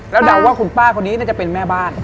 แล้วเดาว่าคุณป้าคนนี้น่าจะเป็นแม่บ้าน